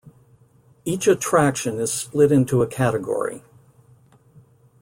Each Attraction is split into a category.